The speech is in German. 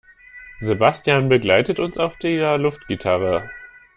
Sebastian begleitet uns auf der Luftgitarre.